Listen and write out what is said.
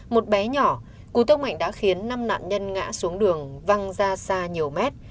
một bé nhỏ cú tông mạnh đã khiến năm nạn nhân ngã xuống đường văng ra xa nhiều mét